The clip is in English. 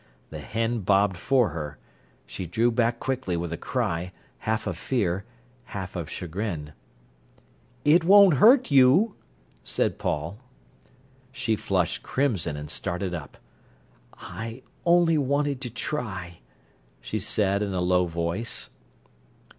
The hen bobbed for her. She drew back quickly with a cry, half of fear, half of chagrin. "It won't hurt you," said Paul. She flushed crimson and started up. "I only wanted to try," she said in a low voice.